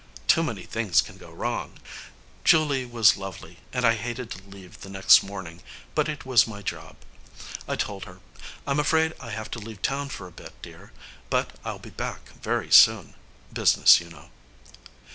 Too many things can go wrong. Julie was lovely and I hated to leave the next morning, but it was my job. I told her, "I'm afraid I have to leave town for a bit, dear, but I'll be back very soon. Business, you know."